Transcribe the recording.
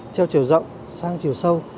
theo chiều rộng sang chiều sâu